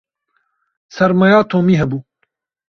Sermaya Tomî hebû.